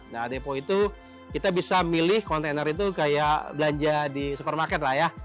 nah depo itu kita bisa milih kontainer itu kayak belanja di supermarket lah ya